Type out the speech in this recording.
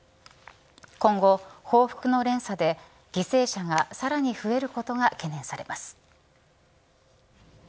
今後、報復の連鎖で犠牲者がさらに増えることが懸念されます。